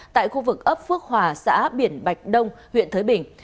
tại khu vực ấp phước hòa xã biển bạch đông huyện thới bình